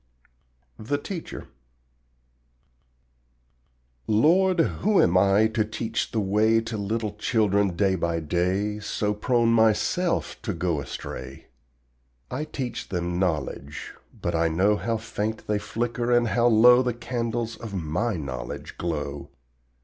THE TEACHER Lord, who am I to teach the way To little children day by day, So prone myself to go astray? I teach them KNOWLEDGE, but I know How faint they flicker and how low The candles of my knowledge glow.